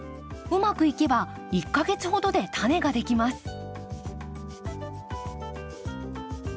うまくいけば１か月ほどでタネができます。